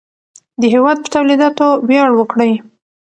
د هېواد په تولیداتو ویاړ وکړئ.